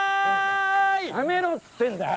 やめろっつってんだよ！